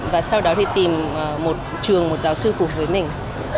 và sau đó thì tìm một trường một giáo sư phục với mình